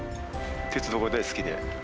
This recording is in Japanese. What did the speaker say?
鉄道が大好きで。